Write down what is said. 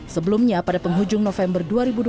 sebelumnya pada penghujung november dua ribu dua puluh